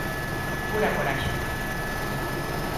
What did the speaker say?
Pura coraxe.